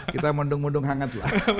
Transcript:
kita mendung mendung hangat